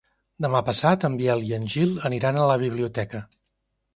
Demà passat en Biel i en Gil aniran a la biblioteca.